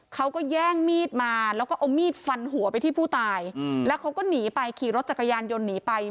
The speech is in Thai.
เขาก็แย่งมีดมาแล้วก็เอามีดฟันหัวไปที่ผู้ตายแล้วเขาก็หนีไปขี่รถจักรยานยนต์หนีไป